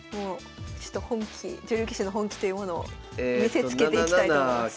ちょっと本気女流棋士の本気というものを見せつけていきたいと思います。